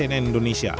pantauan cnn indonesia